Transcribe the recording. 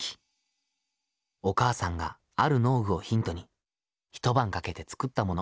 お母さんがある農具をヒントに一晩かけて作ったもの。